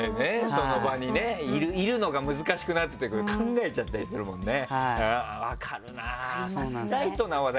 その場にねいるのが難しくなってくると考えちゃったりするもんね分かるな！